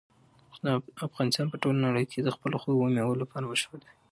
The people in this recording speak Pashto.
افغانستان په ټوله نړۍ کې د خپلو خوږو مېوو لپاره مشهور دی.